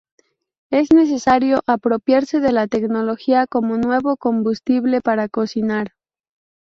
Es necesario apropiarse de la tecnología como nuevo combustible para cocinar.